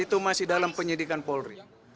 itu masih dalam penyidikan polri